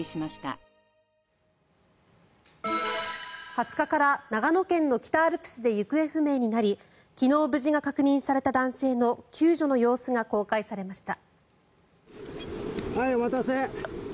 ２０日から長野県の北アルプスで行方不明になり昨日、無事が確認された男性の救助の様子が公開されました。